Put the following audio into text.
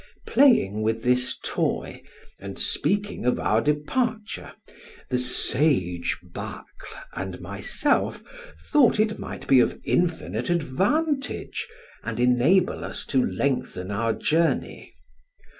Playing with this toy, and speaking of our departure, the sage Bacle and myself thought it might be of infinite advantage, and enable us to lengthen our journey.